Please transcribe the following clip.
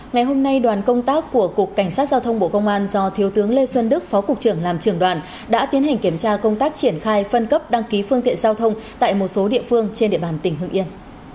ngày hôm nay đoàn công tác của cục cảnh sát giao thông bộ công an do thiếu tướng lê xuân đức phó cục trưởng làm trưởng đoàn đã tiến hành kiểm tra công tác triển khai phân cấp đăng ký phương tiện giao thông tại một số địa phương trên địa bàn tỉnh hương yên